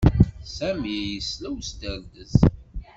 Sami yesla i usderdez.